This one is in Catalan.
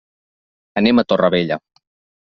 Anem a Torrevella.